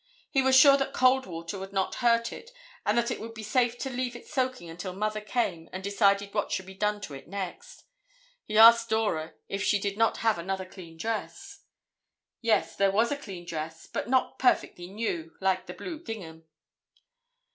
He was sure that cold water would not hurt it and that it would be safe to leave it soaking until Mother came and decided what should be done to it next. He asked Dora if she did not have another clean dress. Yes, there was a clean dress, but not perfectly new, like the blue gingham.